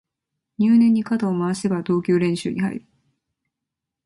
入念に肩を回してから投球練習に入る